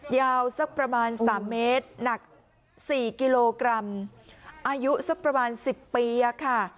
ยาวสักประมาณสามเมตรหนักสี่กิโลกรัมอายุสักประมาณสิบปีอ่ะค่ะ